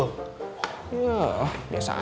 ya biasa aja